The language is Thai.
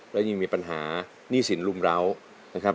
และยังมีปัญหาหนี้สินรุมร้าวนะครับ